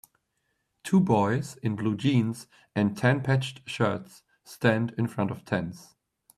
Two boys in blue jeans and tan patched shirts stand in front of tents.